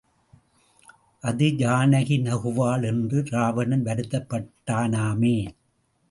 அது ஜானகி நகுவாள் என்று ராவணன் வருத்தப்பட்டானாமே.